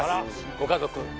ご家族ご